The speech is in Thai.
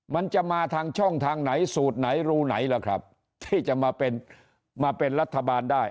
มันจะมาทางช่องทางไหนสูตรไหนรูไหนล่ะครับที่จะมาเป็นมาเป็นรัฐบาลได้